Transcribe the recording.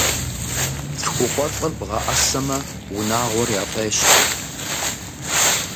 ЛъхукъуэлӀыр бгъаӀэсмэ, унагъуэр яфӀещтэ.